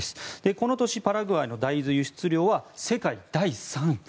この年、パラグアイの大豆輸出量は世界第３位。